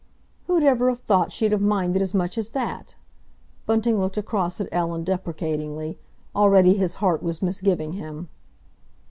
"Who'd ever have thought she'd have minded as much as that!" Bunting looked across at Ellen deprecatingly; already his heart was misgiving him.